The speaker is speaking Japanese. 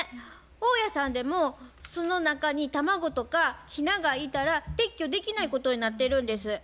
大家さんでも巣の中に卵とかヒナがいたら撤去できないことになってるんです。